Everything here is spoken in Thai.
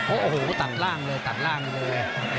โอ้โหตัดล่างเลยตัดล่างเลย